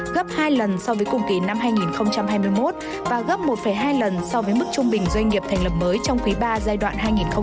gấp hai lần so với cùng kỳ năm hai nghìn hai mươi một và gấp một hai lần so với mức trung bình doanh nghiệp thành lập mới trong quý ba giai đoạn hai nghìn một mươi sáu hai nghìn hai mươi hai